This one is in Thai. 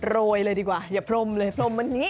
โรยเลยดีกว่าอย่าพรมเลยพรมวันนี้